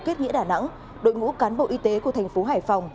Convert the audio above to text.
các bộ kết nghĩa đà nẵng đội ngũ cán bộ y tế của thành phố hải phòng